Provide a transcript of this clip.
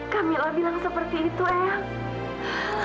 kamilah bilang seperti itu ayah